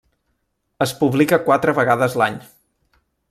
Es publica quatre vegades l'any.